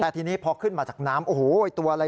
แต่ทีนี้พอขึ้นมาจากน้ำโอ้โหตัวอะไร